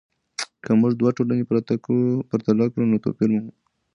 که موږ دوه ټولنې پرتله کړو نو توپیر مومو.